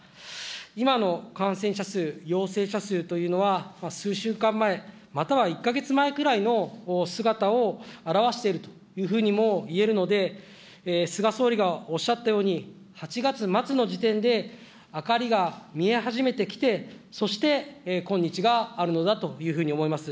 今の感染者数、陽性者数というのは、数週間前、または１か月前くらいの姿を表しているというふうにも言えるので、菅総理がおっしゃったように、８月末の時点で明かりが見え始めてきて、そして、今日があるのだというふうに思います。